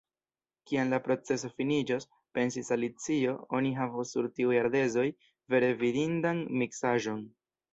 "Kiam la proceso finiĝos," pensis Alicio, "oni havos sur tiuj ardezoj vere vidindan miksaĵon!"